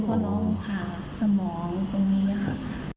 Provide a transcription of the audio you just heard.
เพราะน้องผ่าสมองตรงนี้ค่ะ